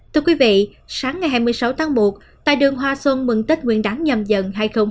thưa quý vị sáng ngày hai mươi sáu tháng một tại đường hoa xuân mừng tết nguyên đáng nhầm dần hai nghìn hai mươi bốn